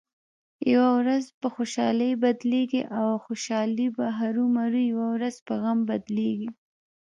یوه ورځ په خوشحالۍ بدلېږي او خوشحالي به هرومرو یوه ورځ په غم بدلېږې.